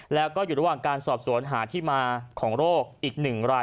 แล้วก็อยู่ระหว่างการสอบสวนหาที่มาของโรคอีก๑ราย